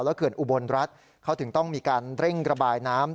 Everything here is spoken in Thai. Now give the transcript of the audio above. เขื่อนอุบลรัฐเขาถึงต้องมีการเร่งระบายน้ำ